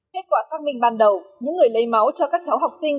kết quả xác minh ban đầu những người lấy máu cho các cháu học sinh